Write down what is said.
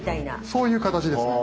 そういう形ですね。